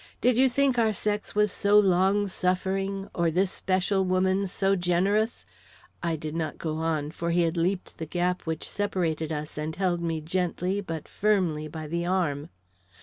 Did you think our sex was so long suffering, or this special woman so generous " I did not go on, for he had leaped the gap which separated us and had me gently but firmly by the arm.